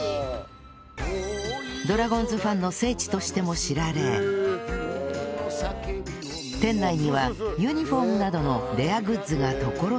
ドラゴンズファンの聖地としても知られ店内にはユニホームなどのレアグッズが所狭しと並びます